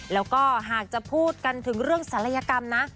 แล้วก็หากจะพูดกันถึงเรื่องศัลยกรรมนะ